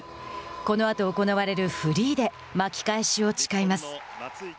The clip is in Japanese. このあと行われるフリーで巻き返しを誓います。